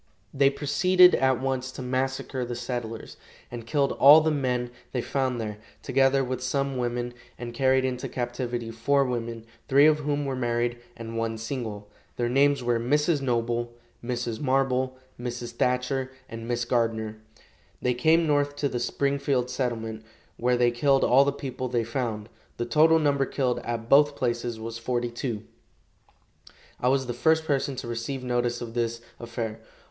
They proceeded at once to massacre the settlers, and killed all the men they found there, together with some women, and carried into captivity four women, three of whom were married and one single. Their names were Mrs. Noble, Mrs. Marble, Mrs. Thatcher and Miss Gardner. They came north to the Springfield settlement, where they killed all the people they found. The total number killed at both places was forty two. I was the first person to receive notice of this affair.